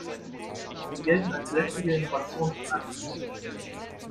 Sie gelten als lästige Innovationsbremsen.